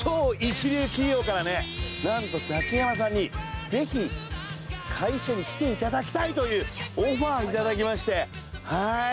なんと「ザキヤマさんにぜひ会社に来ていただきたい」というオファーをいただきましてはい。